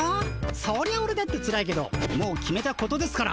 そりゃオレだってつらいけどもう決めたことですから。